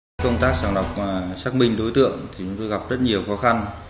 trong công tác sàn lọc xác minh đối tượng thì chúng tôi gặp rất nhiều khó khăn